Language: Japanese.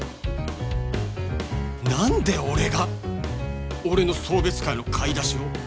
なんで俺が俺の送別会の買い出しを！？